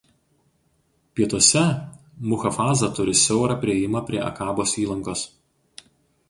Pietuose muchafaza turi siaurą priėjimą prie Akabos įlankos.